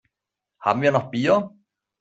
Haben wir noch Bier?